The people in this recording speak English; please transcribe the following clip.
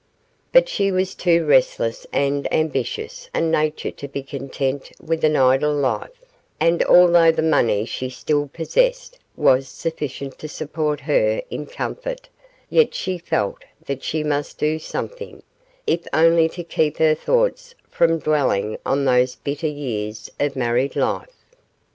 But she was of too restless and ambitious a nature to be content with an idle life, and although the money she still possessed was sufficient to support her in comfort, yet she felt that she must do something, if only to keep her thoughts from dwelling on those bitter years of married life.